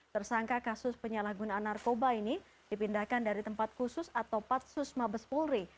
tersangka kasus penyalahgunaan narkoba ini dipindahkan dari tempat khusus atau patsus mabes polri